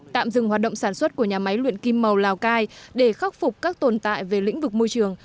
tạm dừng hoạt động sản xuất của nhà máy luyện kim màu lào cai để khắc phục các tồn tại về lĩnh vực môi trường